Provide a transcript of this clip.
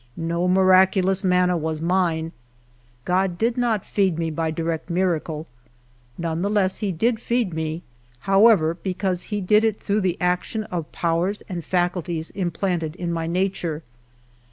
No miraculous manna was mine. God did not feed me by direct miracle. None the less did he teed me, however, be cause he did it through the action of powers and faculties implanted in my nature.